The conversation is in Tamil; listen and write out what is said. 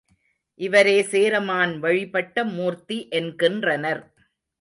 இவரே சேரமான் வழிபட்ட மூர்த்தி என்கின்றனர்.